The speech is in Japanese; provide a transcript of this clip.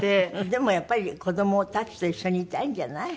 でもやっぱり子どもたちと一緒にいたいんじゃない？